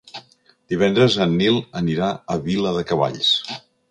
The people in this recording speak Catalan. Divendres en Nil anirà a Viladecavalls.